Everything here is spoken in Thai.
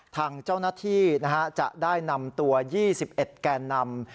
ทางเจ้าหน้าที่จะได้นำตัว๒๑แกนนำ